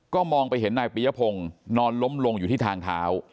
มองไปเห็นนายปียพงศ์นอนล้มลงอยู่ที่ทางเท้า